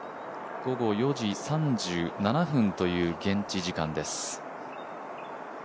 午後４時３７分という現地時間です。